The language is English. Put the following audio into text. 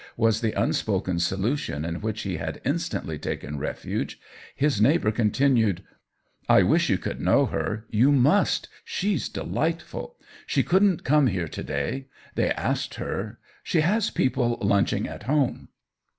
'' was the unspoken solution in which he had instantly taken refuge — his neighbor con tinued :" I wish you could know her — you must ; she's delightful. She couldn't come here to day — they asked her ; she has people lunching at home."